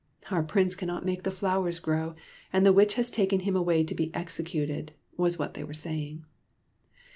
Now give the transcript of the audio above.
'' Our Prince cannot make the flowers grow, and the Witch has taken him away to be exe cuted," was what they were saying.